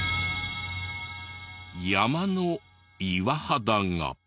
山の岩肌が。